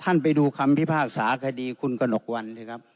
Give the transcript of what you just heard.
ท่านไปดูคำพิพากษาคดีคุณกนกวัล